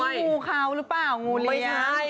อันนี้งูเขาหรือเปล่า